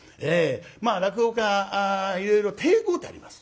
まあ落語家いろいろ亭号ってあります。